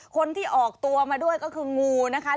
คนที่ออกตัวมาด้วยก็คืองูนะคะ